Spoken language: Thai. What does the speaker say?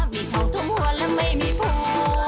มีทองทุ่มหัวและไม่มีผัว